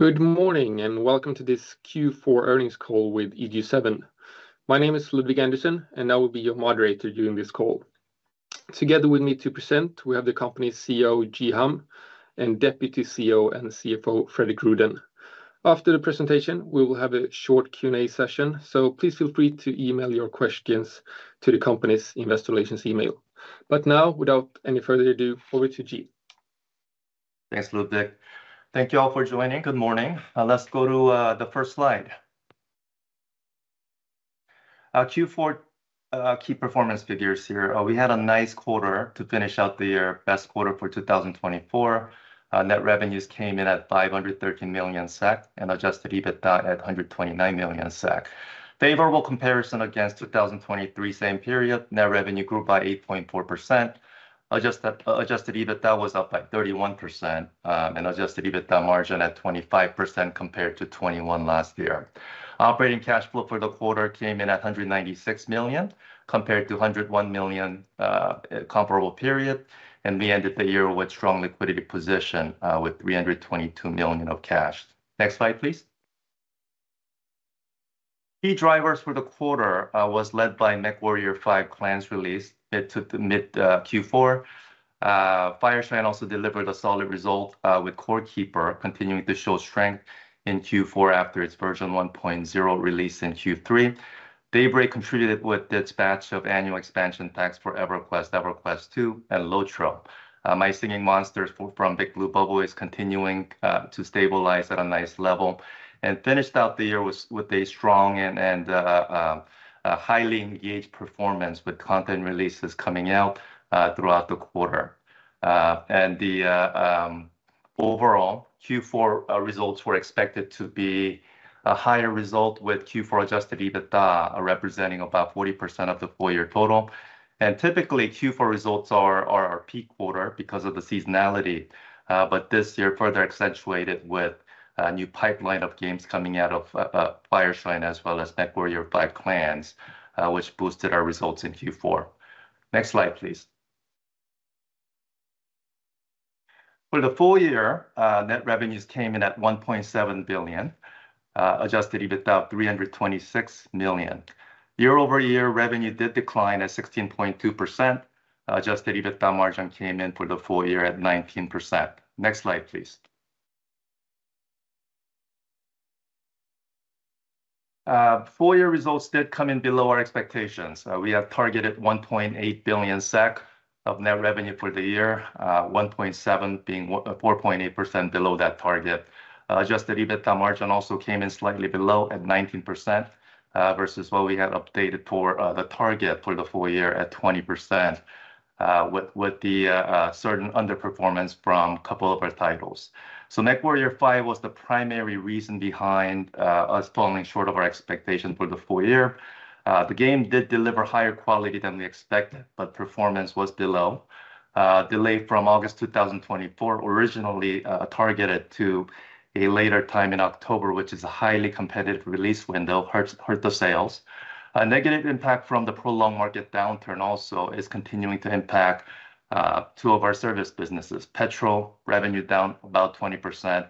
Good morning and welcome to this Q4 Earnings Call with EG7. My name is Ludvig Andersson, and I will be your moderator during this call. Together with me to present, we have the company's CEO, Ji Ham, and Deputy CEO and CFO, Fredrik Rüdén. After the presentation, we will have a short Q&A session, so please feel free to email your questions to the company's investor relations email. Now, without any further ado, over to Ji. Thanks, Ludvig. Thank you all for joining. Good morning. Let's go to the first slide. Q4 key performance figures here. We had a nice quarter to finish out the year, best quarter for 2024. Net revenues came in at 513 million SEK and adjusted EBITDA at 129 million SEK. Favorable comparison against 2023 same period, net revenue grew by 8.4%. Adjusted EBITDA was up by 31% and adjusted EBITDA margin at 25% compared to 21% last year. Operating cash flow for the quarter came in at 196 million compared to 101 million comparable period, and we ended the year with a strong liquidity position with 322 million of cash. Next slide, please. Key drivers for the quarter were led by MechWarrior 5: Clans release mid-Q4. Fireshine also delivered a solid result with Core Keeper continuing to show strength in Q4 after its version 1.0 release in Q3. Daybreak contributed with its batch of annual expansion packs for EverQuest, EverQuest 2, and LOTRO. My Singing Monsters from Big Blue Bubble is continuing to stabilize at a nice level and finished out the year with a strong and highly engaged performance with content releases coming out throughout the quarter. The overall Q4 results were expected to be a higher result with Q4 adjusted EBITDA representing about 40% of the full year total. Typically, Q4 results are our peak quarter because of the seasonality, but this year further accentuated with a new pipeline of games coming out of Fireshine as well as MechWarrior 5: Clans, which boosted our results in Q4. Next slide, please. For the full year, net revenues came in at 1.7 billion, adjusted EBITDA of 326 million. Year-over-year revenue did decline at 16.2%. Adjusted EBITDA margin came in for the full year at 19%. Next slide, please. Full year results did come in below our expectations. We had targeted 1.8 billion SEK of net revenue for the year, 1.7 billion being 4.8% below that target. Adjusted EBITDA margin also came in slightly below at 19% versus what we had updated for the target for the full year at 20% with the certain underperformance from a couple of our titles. MechWarrior 5 was the primary reason behind us falling short of our expectation for the full year. The game did deliver higher quality than we expected, but performance was below. Delay from August 2024 originally targeted to a later time in October, which is a highly competitive release window, hurt the sales. A negative impact from the prolonged market downturn also is continuing to impact two of our service businesses. Petrol revenue down about 20%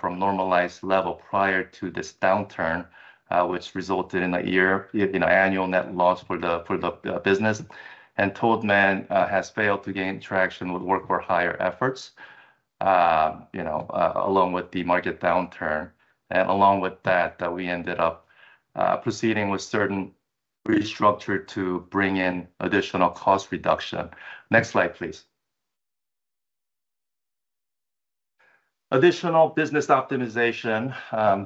from normalized level prior to this downturn, which resulted in an annual net loss for the business. Toadman has failed to gain traction with work for hire efforts, you know, along with the market downturn. Along with that, we ended up proceeding with certain restructure to bring in additional cost reduction. Next slide, please. Additional business optimization,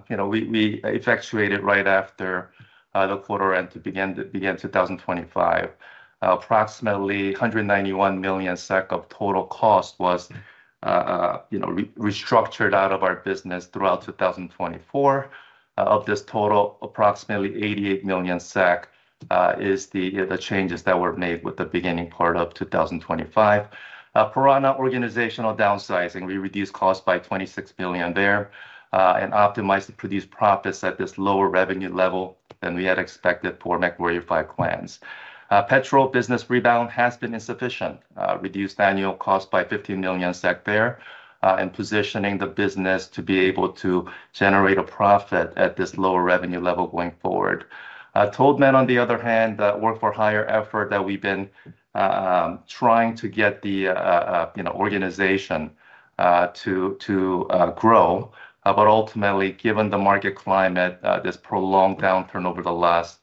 you know, we effectuated right after the quarter end to begin 2025. Approximately 191 million SEK of total cost was, you know, restructured out of our business throughout 2024. Of this total, approximately 88 million SEK is the changes that were made with the beginning part of 2025. For on our organizational downsizing, we reduced cost by 26 million there and optimized to produce profits at this lower revenue level than we had expected for MechWarrior 5: Clans. Petrol business rebound has been insufficient, reduced annual cost by 15 million SEK there and positioning the business to be able to generate a profit at this lower revenue level going forward. Toadman, on the other hand, work-for-hire effort that we've been trying to get the, you know, organization to grow. Ultimately, given the market climate, this prolonged downturn over the last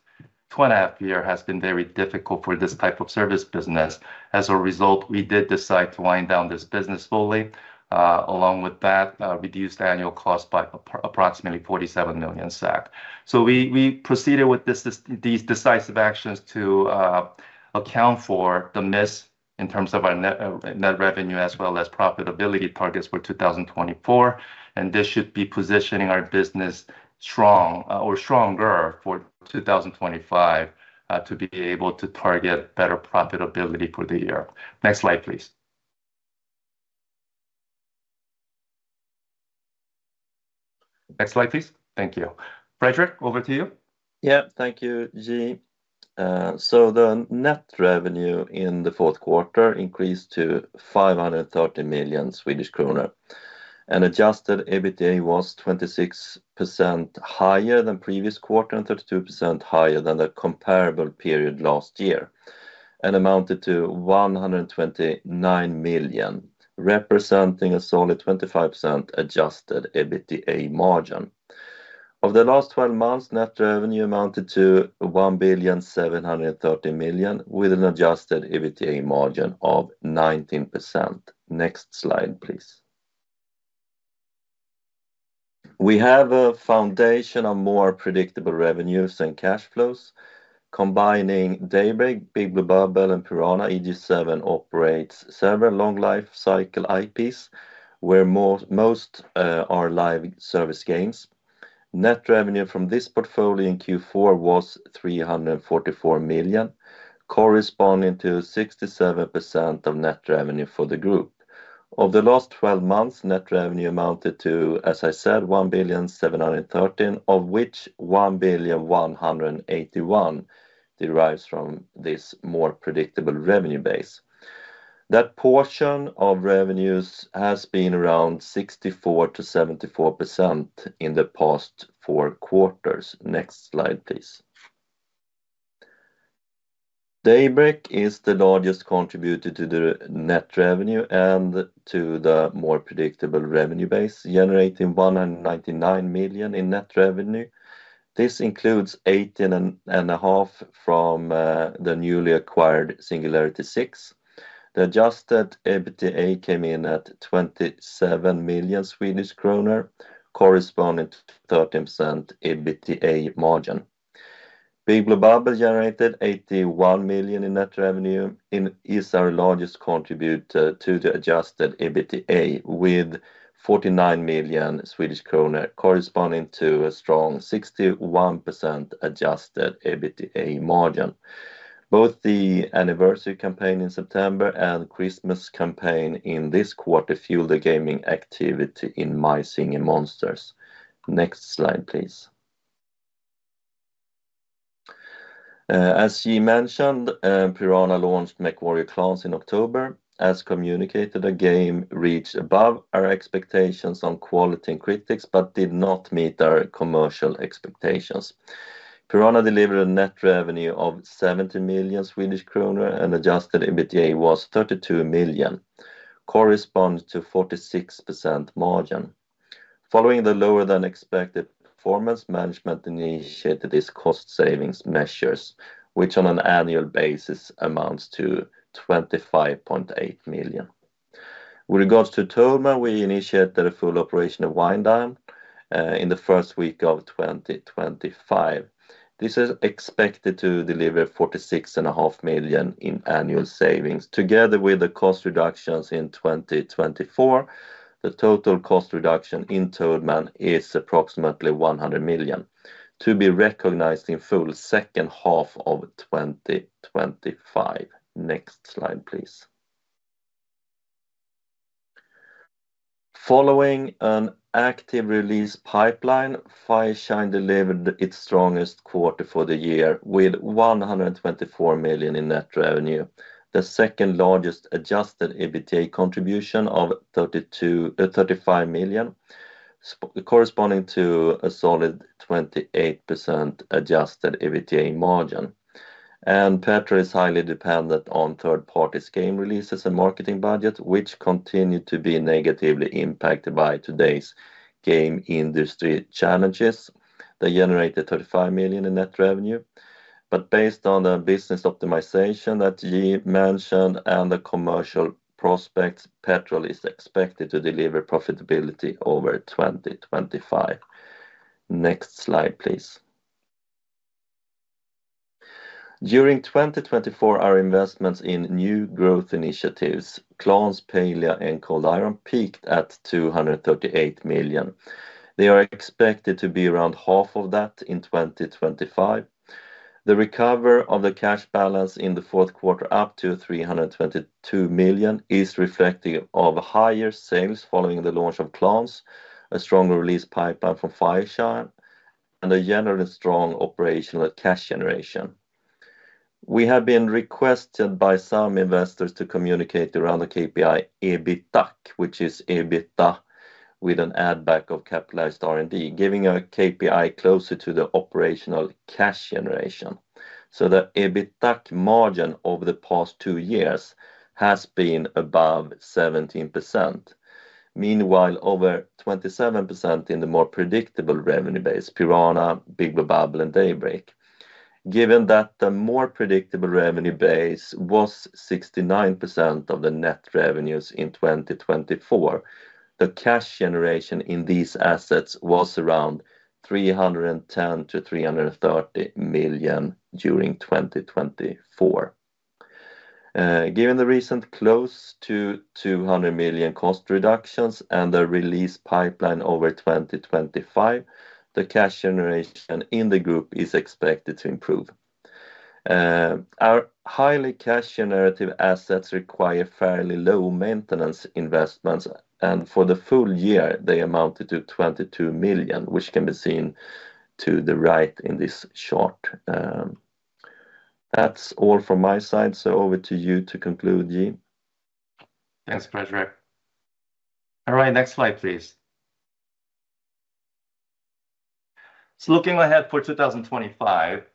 two and a half years has been very difficult for this type of service business. As a result, we did decide to wind down this business fully. Along with that, reduced annual cost by approximately 47 million. We proceeded with these decisive actions to account for the miss in terms of our net revenue as well as profitability targets for 2024. This should be positioning our business strong or stronger for 2025 to be able to target better profitability for the year. Next slide, please. Next slide, please. Thank you. Fredrik, over to you. Yeah, thank you, Ji. The net revenue in the fourth quarter increased to 530 million Swedish kronor. Adjusted EBITDA was 26% higher than previous quarter and 32% higher than the comparable period last year and amounted to 129 million, representing a solid 25% adjusted EBITDA margin. Of the last 12 months, net revenue amounted to 1,730 million with an adjusted EBITDA margin of 19%. Next slide, please. We have a foundation of more predictable revenues and cash flows. Combining Daybreak, Big Blue Bubble, and Piranha, EG7 operates several long life cycle IPs where most are live service games. Net revenue from this portfolio in Q4 was 344 million, corresponding to 67% of net revenue for the group. Of the last 12 months, net revenue amounted to, as I said, 1,713 million, of which 1,181 million derives from this more predictable revenue base. That portion of revenues has been around 64%-74% in the past four quarters. Next slide, please. Daybreak is the largest contributor to the net revenue and to the more predictable revenue base, generating 199 million in net revenue. This includes 18.5 million from the newly acquired Singularity 6. The adjusted EBITDA came in at 27 million Swedish kronor, corresponding to a 13% EBITDA margin. Big Blue Bubble generated 81 million in net revenue and is our largest contributor to the adjusted EBITDA with 49 million Swedish kronor, corresponding to a strong 61% adjusted EBITDA margin. Both the Anniversary campaign in September and Christmas campaign in this quarter fueled the gaming activity in My Singing Monsters. Next slide, please. As Ji mentioned, Piranha launched MechWarrior 5: Clans in October. As communicated, the game reached above our expectations on quality and critics, but did not meet our commercial expectations. Piranha delivered a net revenue of 70 million Swedish kronor, and adjusted EBITDA was 32 million, corresponding to 46% margin. Following the lower than expected performance, management initiated these cost savings measures, which on an annual basis amounts to 25.8 million. With regards to Toadman, we initiated a full operation of wind down in the first week of 2025. This is expected to deliver 46.5 million in annual savings. Together with the cost reductions in 2024, the total cost reduction in Toadman is approximately 100 million to be recognized in full second half of 2025. Next slide, please. Following an active release pipeline, Fireshine delivered its strongest quarter for the year with 124 million in net revenue, the second largest adjusted EBITDA contribution of 35 million, corresponding to a solid 28% adjusted EBITDA margin. Petrol is highly dependent on third-party game releases and marketing budgets, which continue to be negatively impacted by today's game industry challenges. They generated 35 million in net revenue. Based on the business optimization that Ji mentioned and the commercial prospects, Petrol is expected to deliver profitability over 2025. Next slide, please. During 2024, our investments in new growth initiatives, Clans, Palia, and Cold Iron peaked at 238 million. They are expected to be around half of that in 2025. The recovery of the cash balance in the fourth quarter up to 322 million is reflective of higher sales following the launch of Clans, a strong release pipeline from Fireshine, and a generally strong operational cash generation. We have been requested by some investors to communicate around the KPI EBITDAC, which is EBITDA with an addback of capitalized R&D, giving a KPI closer to the operational cash generation. The EBITDAC margin over the past two years has been above 17%. Meanwhile, over 27% in the more predictable revenue base, Piranha, Big Blue Bubble, and Daybreak. Given that the more predictable revenue base was 69% of the net revenues in 2024, the cash generation in these assets was around 310 million-330 million during 2024. Given the recent close to 200 million cost reductions and the release pipeline over 2025, the cash generation in the group is expected to improve. Our highly cash generative assets require fairly low maintenance investments, and for the full year, they amounted to 22 million, which can be seen to the right in this chart. That is all from my side. Over to you to conclude, Ji. Thanks, Fredrik. All right, next slide, please. Looking ahead for 2025,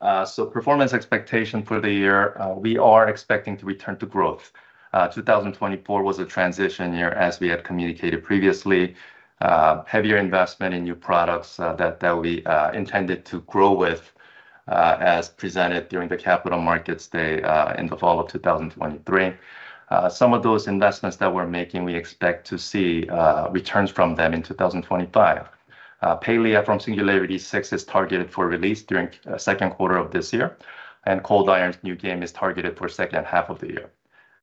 performance expectation for the year, we are expecting to return to growth. 2024 was a transition year, as we had communicated previously, heavier investment in new products that we intended to grow with as presented during the Capital Markets Day in the fall of 2023. Some of those investments that we're making, we expect to see returns from them in 2025. Palia from Singularity 6 is targeted for release during the second quarter of this year, and Cold Iron's new game is targeted for the second half of the year.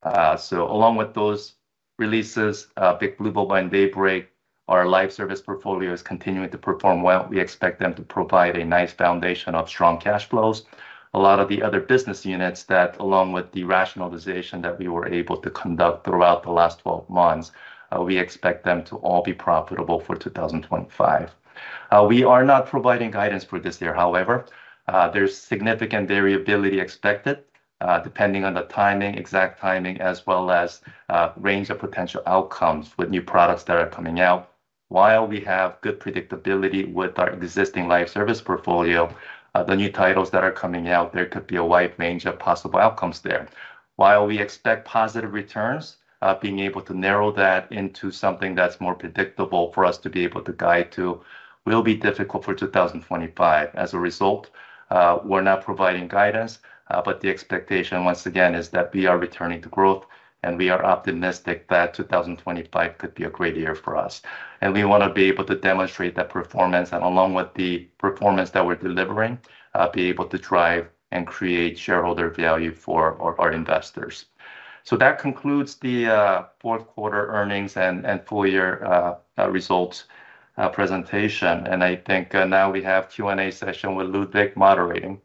Along with those releases, Big Blue Bubble and Daybreak, our live service portfolio is continuing to perform well. We expect them to provide a nice foundation of strong cash flows. A lot of the other business units that, along with the rationalization that we were able to conduct throughout the last 12 months, we expect them to all be profitable for 2025. We are not providing guidance for this year, however. There is significant variability expected depending on the timing, exact timing, as well as range of potential outcomes with new products that are coming out. While we have good predictability with our existing live service portfolio, the new titles that are coming out, there could be a wide range of possible outcomes there. While we expect positive returns, being able to narrow that into something that is more predictable for us to be able to guide to will be difficult for 2025. As a result, we're not providing guidance, but the expectation once again is that we are returning to growth and we are optimistic that 2025 could be a great year for us. We want to be able to demonstrate that performance and along with the performance that we're delivering, be able to drive and create shareholder value for our investors. That concludes the fourth quarter earnings and full year results presentation. I think now we have Q&A session with Ludvig moderating.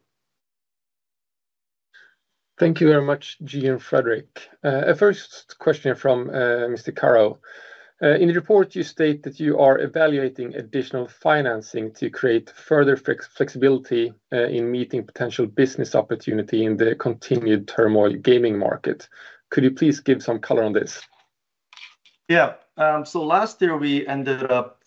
Thank you very much, Ji and Fredrik. A first question from Mr. Caro. In the report, you state that you are evaluating additional financing to create further flexibility in meeting potential business opportunity in the continued turmoil gaming market. Could you please give some color on this? Yeah, last year we ended up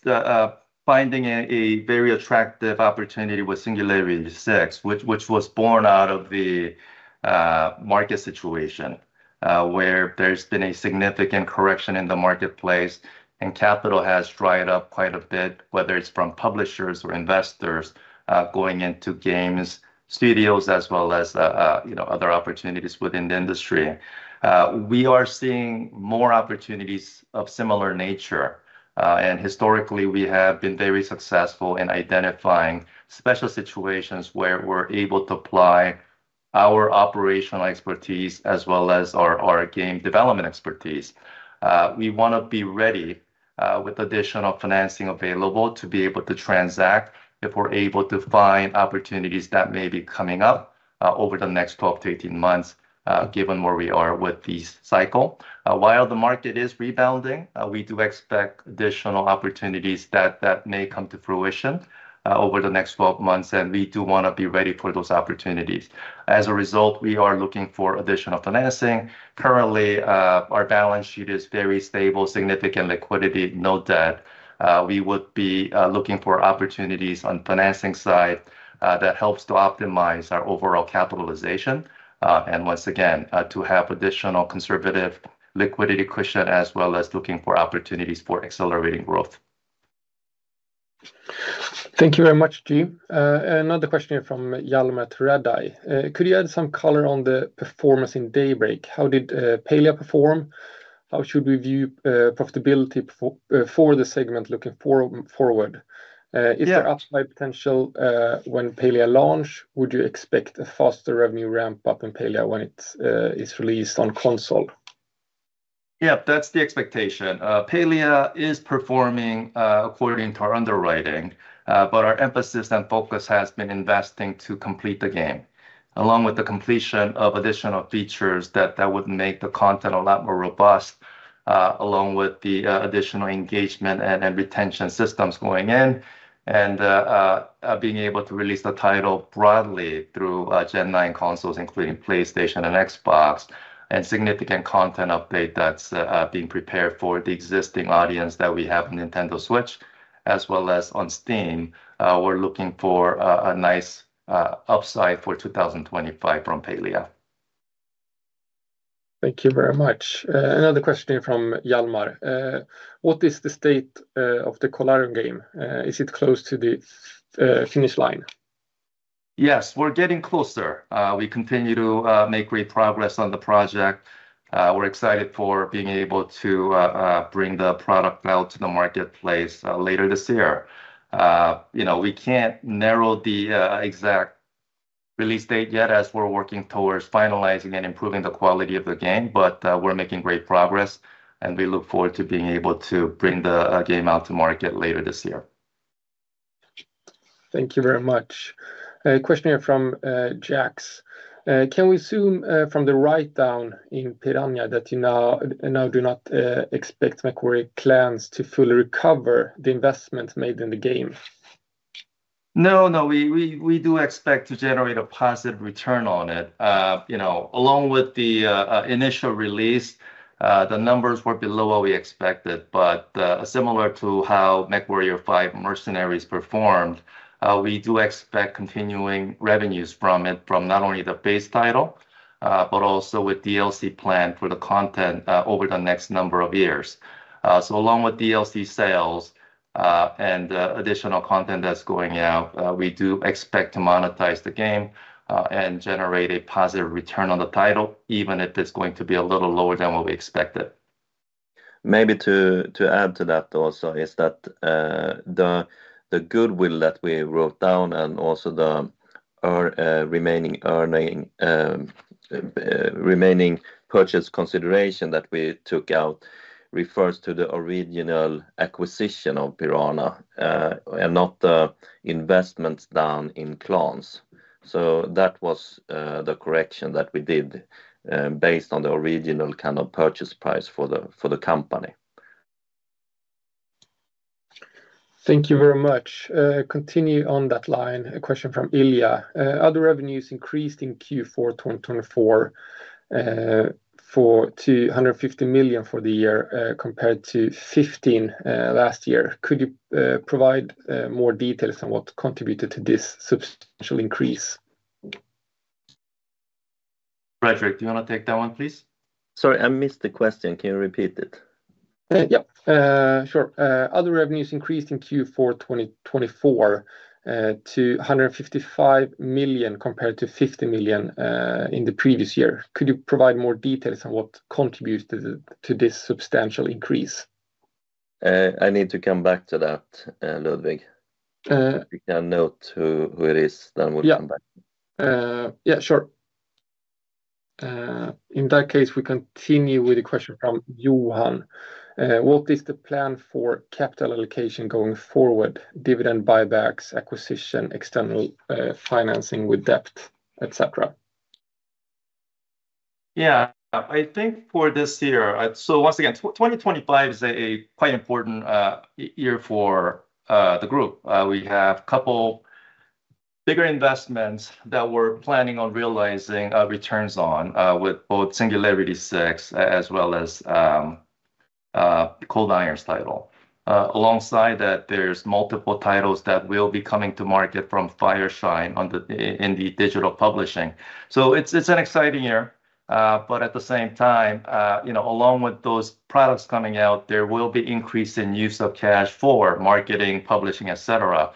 finding a very attractive opportunity with Singularity 6, which was born out of the market situation where there's been a significant correction in the marketplace and capital has dried up quite a bit, whether it's from publishers or investors going into games, studios, as well as other opportunities within the industry. We are seeing more opportunities of similar nature. Historically, we have been very successful in identifying special situations where we're able to apply our operational expertise as well as our game development expertise. We want to be ready with additional financing available to be able to transact if we're able to find opportunities that may be coming up over the next 12-18 months, given where we are with this cycle. While the market is rebounding, we do expect additional opportunities that may come to fruition over the next 12 months, and we do want to be ready for those opportunities. As a result, we are looking for additional financing. Currently, our balance sheet is very stable, significant liquidity, no debt. We would be looking for opportunities on the financing side that helps to optimize our overall capitalization. Once again, to have additional conservative liquidity cushion, as well as looking for opportunities for accelerating growth. Thank you very much, Ji. Another question here from Hjalmar from Redeye. Could you add some color on the performance in Daybreak? How did Palia perform? How should we view profitability for the segment looking forward? Is there upside potential when Palia launch? Would you expect a faster revenue ramp up in Palia when it's released on console? Yeah, that's the expectation. Palia is performing according to our underwriting, but our emphasis and focus has been investing to complete the game, along with the completion of additional features that would make the content a lot more robust, along with the additional engagement and retention systems going in and being able to release the title broadly through Gen 9 consoles, including PlayStation and Xbox, and significant content update that's being prepared for the existing audience that we have on Nintendo Switch, as well as on Steam. We're looking for a nice upside for 2025 from Palia. Thank you very much. Another question here from Hjalmar. What is the state of the Cold Iron game? Is it close to the finish line? Yes, we're getting closer. We continue to make great progress on the project. We're excited for being able to bring the product out to the marketplace later this year. We can't narrow the exact release date yet as we're working towards finalizing and improving the quality of the game, but we're making great progress and we look forward to being able to bring the game out to market later this year. Thank you very much. A question here from Jax. Can we assume from the write-down in Piranha that you now do not expect MechWarrior 5: Clans to fully recover the investment made in the game? No, no, we do expect to generate a positive return on it. Along with the initial release, the numbers were below what we expected, but similar to how MechWarrior 5: Mercenaries performed, we do expect continuing revenues from it, from not only the base title, but also with DLC planned for the content over the next number of years. Along with DLC sales and additional content that's going out, we do expect to monetize the game and generate a positive return on the title, even if it's going to be a little lower than what we expected. Maybe to add to that also is that the goodwill that we wrote down and also the remaining purchase consideration that we took out refers to the original acquisition of Piranha and not the investments done in Clans. That was the correction that we did based on the original kind of purchase price for the company. Thank you very much. Continue on that line. A question from Ilya. Are the revenues increased in Q4 2024 to 150 million for the year compared to 15 million last year? Could you provide more details on what contributed to this substantial increase? Fredrik, do you want to take that one, please? Sorry, I missed the question. Can you repeat it? Yeah, sure. Are the revenues increased in Q4 2024 to 155 million compared to 50 million in the previous year? Could you provide more details on what contributes to this substantial increase? I need to come back to that, Ludvig. If you can note who it is, then we'll come back. Yeah, sure. In that case, we continue with the question from Johan. What is the plan for capital allocation going forward, dividend buybacks, acquisition, external financing with debt, etc.? Yeah, I think for this year, once again, 2025 is a quite important year for the group. We have a couple of bigger investments that we're planning on realizing returns on with both Singularity 6 as well as Cold Iron's title. Alongside that, there's multiple titles that will be coming to market from Fireshine in the digital publishing. It is an exciting year, but at the same time, along with those products coming out, there will be increase in use of cash for marketing, publishing, etc.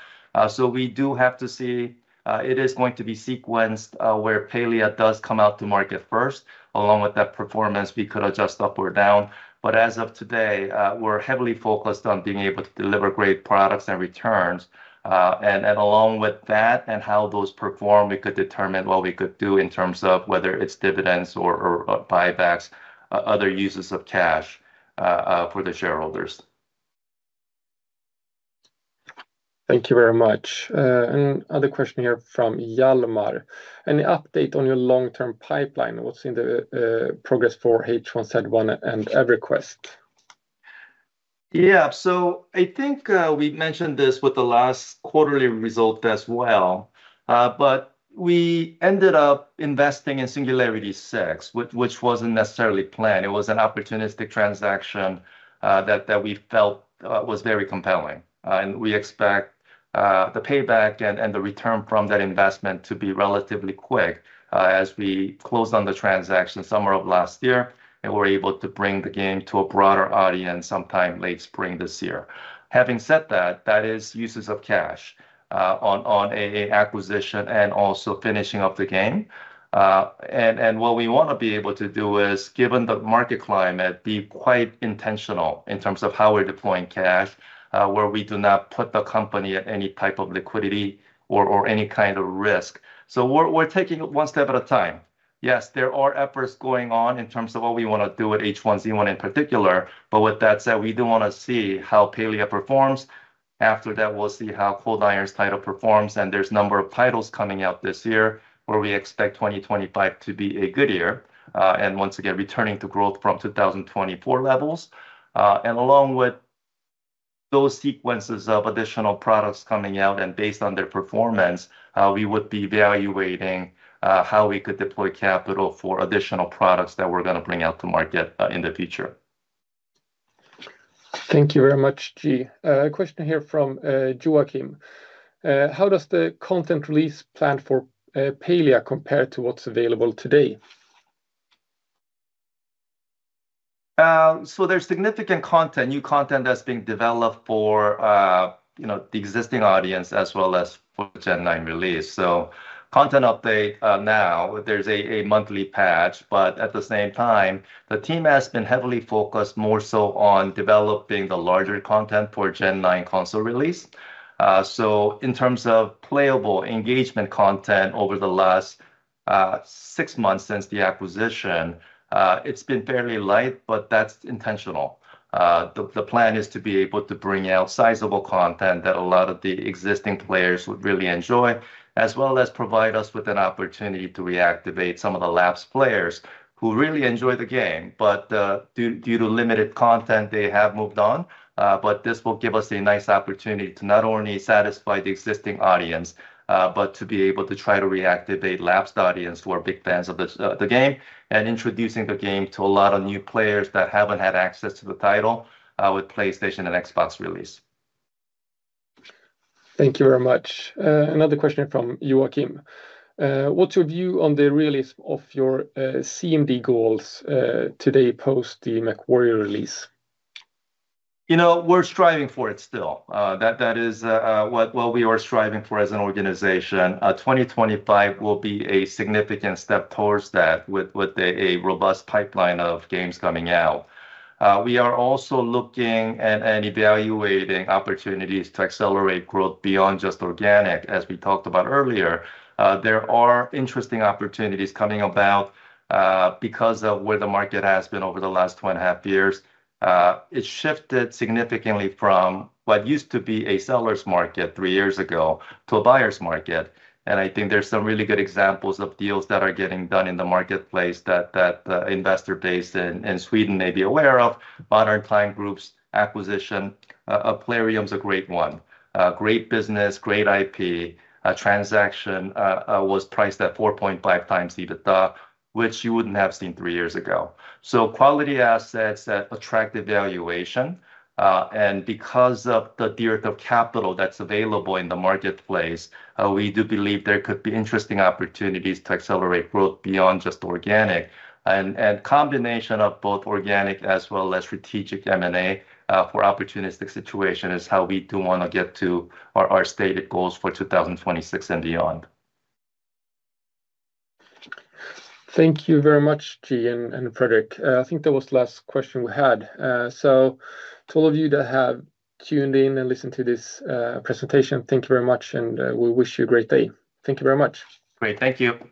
We do have to see it is going to be sequenced where Palia does come out to market first. Along with that performance, we could adjust up or down, but as of today, we're heavily focused on being able to deliver great products and returns. Along with that and how those perform, we could determine what we could do in terms of whether it's dividends or buybacks, other uses of cash for the shareholders. Thank you very much. Another question here from Hjalmar. Any update on your long-term pipeline? What's in the progress for H1Z1 and EverQuest? Yeah, so I think we mentioned this with the last quarterly result as well, but we ended up investing in Singularity 6, which was not necessarily planned. It was an opportunistic transaction that we felt was very compelling. We expect the payback and the return from that investment to be relatively quick as we closed on the transaction summer of last year and were able to bring the game to a broader audience sometime late spring this year. Having said that, that is uses of cash on an acquisition and also finishing of the game. What we want to be able to do is, given the market climate, be quite intentional in terms of how we're deploying cash, where we do not put the company at any type of liquidity or any kind of risk. We are taking one step at a time. Yes, there are efforts going on in terms of what we want to do at H1Z1 in particular, but with that said, we do want to see how Palia performs. After that, we'll see how Cold Iron's title performs. There is a number of titles coming out this year where we expect 2025 to be a good year. Once again, returning to growth from 2024 levels. Along with those sequences of additional products coming out and based on their performance, we would be evaluating how we could deploy capital for additional products that we're going to bring out to market in the future. Thank you very much, Ji. A question here from Joachim. How does the content release plan for Palia compare to what's available today? There is significant content, new content that's being developed for the existing audience as well as for Gen 9 release. Content update now, there's a monthly patch, but at the same time, the team has been heavily focused more so on developing the larger content for Gen 9 console release. In terms of playable engagement content over the last six months since the acquisition, it's been fairly light, but that's intentional. The plan is to be able to bring out sizable content that a lot of the existing players would really enjoy, as well as provide us with an opportunity to reactivate some of the lapsed players who really enjoy the game. Due to limited content, they have moved on, but this will give us a nice opportunity to not only satisfy the existing audience, but to be able to try to reactivate lapsed audience who are big fans of the game and introducing the game to a lot of new players that haven't had access to the title with PlayStation and Xbox release. Thank you very much. Another question from Joachim. What's your view on the release of your CMD goals today post the MechWarrior release? You know, we're striving for it still. That is what we are striving for as an organization. 2025 will be a significant step towards that with a robust pipeline of games coming out. We are also looking and evaluating opportunities to accelerate growth beyond just organic, as we talked about earlier. There are interesting opportunities coming about because of where the market has been over the last two and a half years. It shifted significantly from what used to be a seller's market three years ago to a buyer's market. I think there's some really good examples of deals that are getting done in the marketplace that investor base in Sweden may be aware of. Modern Times Group's acquisition of Plarium is a great one. Great business, great IP. A transaction was priced at 4.5x EBITDA, which you wouldn't have seen three years ago. Quality assets that attract evaluation. Because of the dearth of capital that's available in the marketplace, we do believe there could be interesting opportunities to accelerate growth beyond just organic. A combination of both organic as well as strategic M&A for opportunistic situation is how we do want to get to our stated goals for 2026 and beyond. Thank you very much, Ji and Fredrik. I think that was the last question we had. To all of you that have tuned in and listened to this presentation, thank you very much, and we wish you a great day. Thank you very much. Great, thank you.